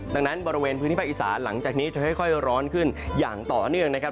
ดังนั้นบริเวณพื้นที่ภาคอีสานหลังจากนี้จะค่อยร้อนขึ้นอย่างต่อเนื่องนะครับ